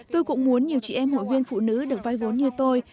tôi cũng muốn nhiều chị em hội viên phụ nữ được vay vốn như tôi